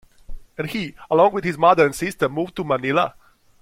He, along with his mother and sister, moved to Manila.